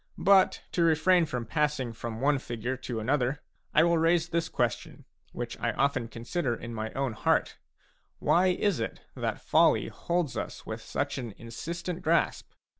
But, to refrain from passing from one figure & to another, I will raise this question, which I often consider in my own heart : why is it that folly holds us with such an insistent grasp